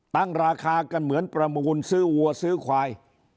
ตั้งราคากันเหมือนประมูลซื้อวัวซื้อควาย